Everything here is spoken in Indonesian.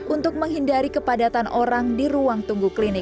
untuk menghindari kepadatan orang di ruang tunggu klinik